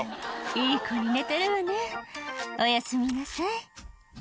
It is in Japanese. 「いい子に寝てるわねおやすみなさい」